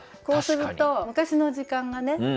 こうすると昔の時間がね